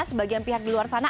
sebagian pihak di luar sana